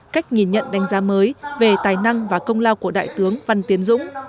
cách nhìn nhận đánh giá mới về tài năng và công lao của đại tướng văn tiến dũng